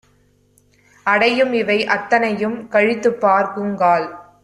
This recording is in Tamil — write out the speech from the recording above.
அடையும்இவை அத்தனையும் கழித்துப்பார்க் குங்கால்